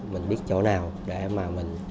mình biết chỗ nào để mà mình